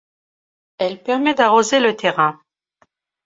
Elle permet d'arroser le terrain.